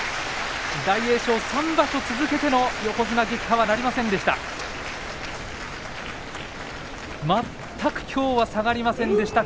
大栄翔、３場所続けての横綱撃破はなりませんでした。